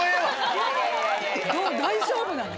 大丈夫なの？